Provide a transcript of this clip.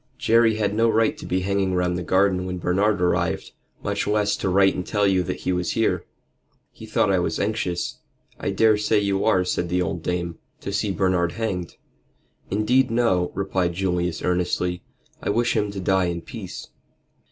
Jerry had no right to be hanging round the garden when Bernard arrived, much less to write and tell you that he was here." "He thought I was anxious." "I daresay you are," said the old dame, "to see Bernard hanged." "Indeed, no," replied Julius, earnestly. "I wish him to die in peace."